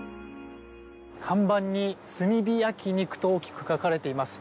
看板に炭火焼肉と大きく書かれています。